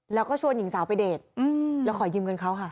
แล้วก็ชวนหญิงสาวไปเดทแล้วขอยืมเงินเขาค่ะ